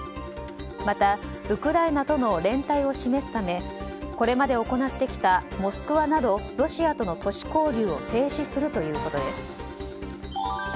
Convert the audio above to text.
また、ウクライナとの連帯を示すためこれまで行ってきたモスクワなどロシアとの都市交流を停止するということです。